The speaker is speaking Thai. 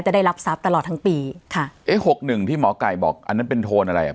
ได้รับทรัพย์ตลอดทั้งปีค่ะเอ๊ะหกหนึ่งที่หมอไก่บอกอันนั้นเป็นโทนอะไรอ่ะ